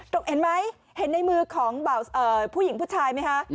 เห็นไหมเห็นในมือของผู้หญิงผู้ชายไหมคะ